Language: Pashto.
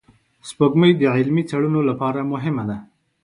سپوږمۍ د علمي څېړنو لپاره مهمه ده